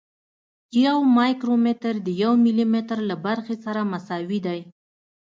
یو مایکرومتر د یو ملي متر له برخې سره مساوي دی.